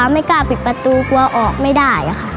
ไม่กล้าปิดประตูกลัวออกไม่ได้ค่ะ